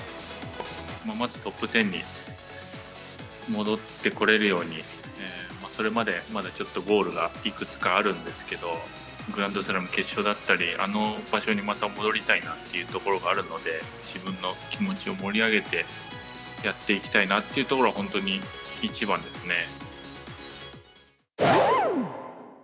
まずトップ１０に戻ってこれるように、それまでまだちょっとゴールがいくつかあるんですけれども、グランドスラム決勝だったり、あの場所にまた戻りたいなっていうところがあるので、自分の気持ちを盛り上げてやっていきたいなっていうところが、本当に一番ですね。